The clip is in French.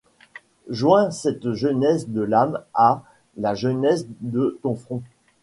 Joins cette jeunesse de l’âme À la jeunesse de ton front!